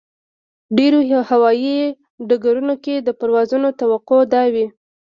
ډېرو هوایي ډګرونو کې د پروازونو توقع دا وي.